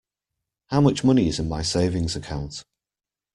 How much money is in my savings account?